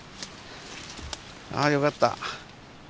あよかった。